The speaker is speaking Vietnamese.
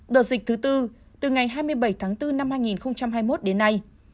đợt dịch thứ tư từ ngày hai mươi bảy tháng bốn năm hai nghìn hai mươi một đến nay